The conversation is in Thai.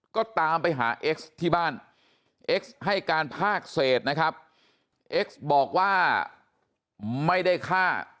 ก็ตามไปหาเอ็กซ์ที่บ้านเอ็กซ์ให้การภาคเศษนะครับเอ็กซ์บอกว่าไม่ได้ฆ่า